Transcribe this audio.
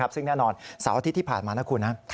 ซึ่งแน่นอนเสาร์อาทิตย์ที่ผ่านมานะคุณ